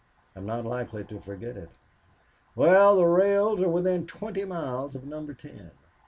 "I'm not likely to forget it." "Well, the rails are within twenty miles of Number Ten.